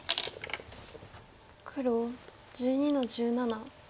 黒１２の十七ツギ。